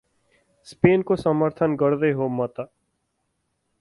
स्पेनको समर्थन गर्दै हो म त ।